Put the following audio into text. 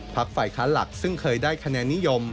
ฝ่ายค้านหลักซึ่งเคยได้คะแนนนิยม